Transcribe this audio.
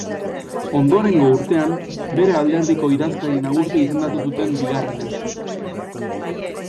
Ondorengo urtean bere alderdiko idazkari nagusi izendatu zuten bigarrenez.